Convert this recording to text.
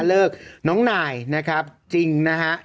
เลิกน้องนายนะครับจริงนะฮะ